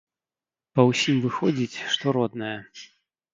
Па ўсім выходзіць, што родная.